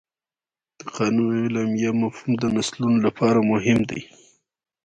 د قانون او اعلامیه مفهوم د نسلونو لپاره مهم دی.